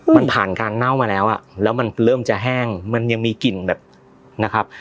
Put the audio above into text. มันผ่านการเน่ามาแล้วอ่ะแล้วมันเริ่มจะแห้งมันยังมีกลิ่นแบบนะครับ